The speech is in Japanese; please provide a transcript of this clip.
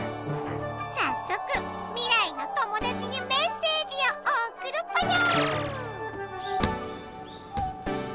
さっそく未来のトモダチにメッセージをおくるぽよ！